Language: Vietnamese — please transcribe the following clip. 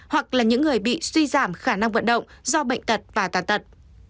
hoặc là những người bị suy giảm khả năng vận động do bệnh tật và tàn tật